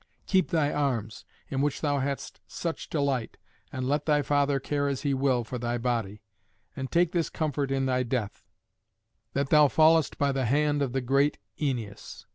Keep thy arms, in which thou hadst such delight, and let thy father care as he will for thy body; and take this comfort in thy death, that thou fallest by the hand of the great Æneas."